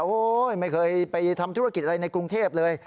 ไม่เคยไปทำธุรกิจอะไรในกรุงเทพเลย